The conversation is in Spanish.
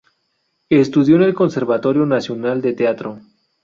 Estudió en el Conservatorio Nacional de Teatro.